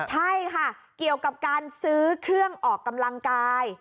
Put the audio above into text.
ใช่ค่ะเกี่ยวกับการซื้อเครื่องออกกำลังกาย